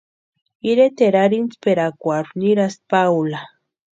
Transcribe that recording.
Iretaeri arhintsperakwarhu nirasti Paula.